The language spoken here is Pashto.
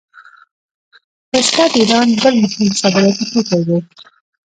پسته د ایران بل مهم صادراتي توکی دی.